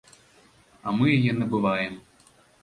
А мы яе набываем.